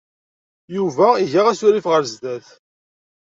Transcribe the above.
Yuba iga asurif ɣer sdat.